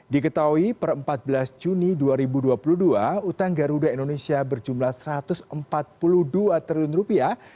diketahui per empat belas juni dua ribu dua puluh dua utang garuda indonesia berjumlah satu ratus empat puluh dua triliun rupiah